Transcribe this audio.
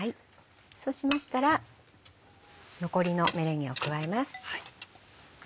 そうしましたら残りのメレンゲを加えます。